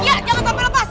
iya jangan sampai lepas